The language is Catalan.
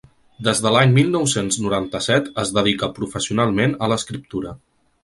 Des de l’any mil nou-cents noranta-set es dedica professionalment a l’escriptura.